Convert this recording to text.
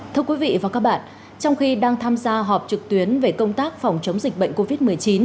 thưa quý vị và các bạn trong khi đang tham gia họp trực tuyến về công tác phòng chống dịch bệnh covid một mươi chín